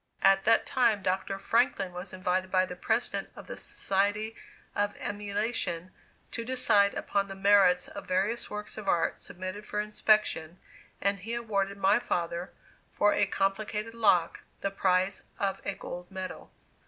At that time, Dr. Franklin was invited by the President of the Society of Emulation to decide upon the merits of various works of art submitted for inspection, and he awarded my father, for a complicated lock, the prize of a gold medal.